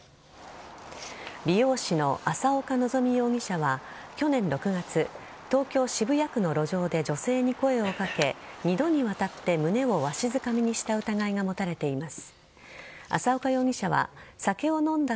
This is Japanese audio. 美容師の浅岡眺仁容疑者は去年６月東京・渋谷区の路上で女性に声をかけ２度にわたって胸をわしづかみにした疑いが持たれています。